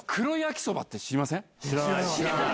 知らない。